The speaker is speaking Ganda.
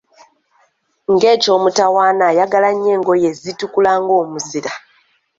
Ng'eky'omutawaana ayagala nnyo engoye ezitukula ng'omuzira.